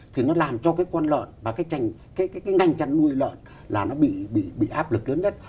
thì nó làm cho cái con lợn và cái ngành chăn nuôi lợn là nó bị áp lực lớn nhất